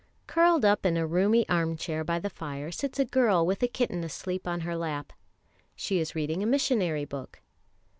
Curled up in a roomy arm chair by the fire sits a girl with a kitten asleep on her lap. She is reading a missionary book.